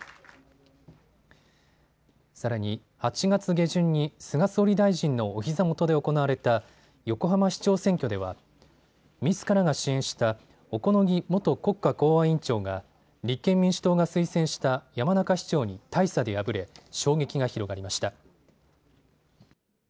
さらに８月下旬に菅総理大臣のおひざ元で行われた横浜市長選挙ではみずからが支援した小此木元国家公安委員長が立憲民主党が推薦した山中市長に大差で敗れ衝撃が広がりました。